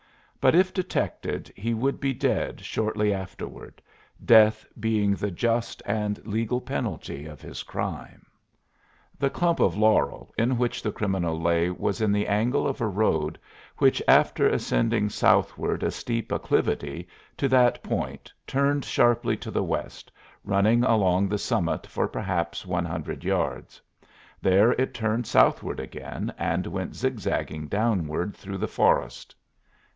But if detected he would be dead shortly afterward, death being the just and legal penalty of his crime. The clump of laurel in which the criminal lay was in the angle of a road which after ascending southward a steep acclivity to that point turned sharply to the west, running along the summit for perhaps one hundred yards. There it turned southward again and went zigzagging downward through the forest.